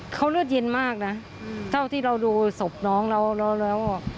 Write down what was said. เขาเลือดเย็นมากนะเท่าที่เราดูศพน้องแล้วแล้วอ่ะ